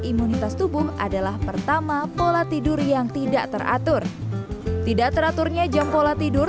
imunitas tubuh adalah pertama pola tidur yang tidak teratur tidak teraturnya jam pola tidur